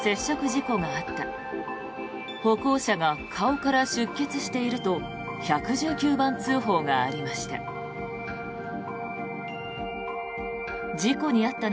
事故があった歩行者が顔から出血していると１１９番通報がありました。